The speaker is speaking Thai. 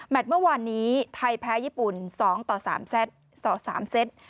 แมทเมื่อวานนี้ไทยแพ้ญี่ปุ่น๒ต่อ๓เซต